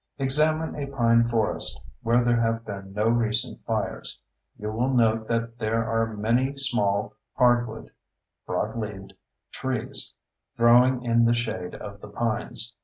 Examine a pine forest where there have been no recent fires. You will note that there are many small hardwood (broadleaved) trees growing in the shade of the pines.